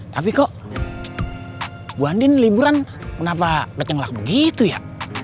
tapi kok bu andin liburan kenapa becenglak begitu ya